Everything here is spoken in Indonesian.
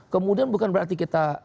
kemudian bukan berarti kita